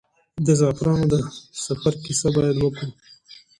د زعفرانو د سفر کیسه باید وکړو.